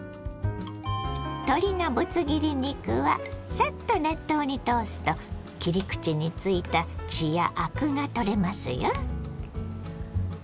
鶏のブツ切り肉はサッと熱湯に通すと切り口についた血やアクが取れますよ。